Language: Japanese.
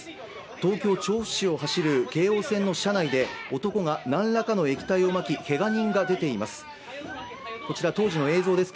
東京・調布市を走る京王線の車内で男が何らかの液体をまきけが人が出ています。